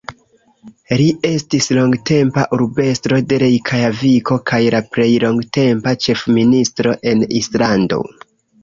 Li estis longtempa urbestro de Rejkjaviko kaj la plej longtempa ĉefministro en Islando.